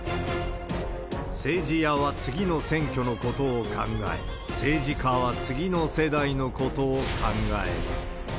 政治屋は次の選挙のことを考え、政治家は次の世代のことを考える。